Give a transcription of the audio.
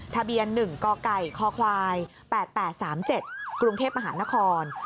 ทะเบียน๑กกค๘๘๓๗กรุงเทพฯมหานคร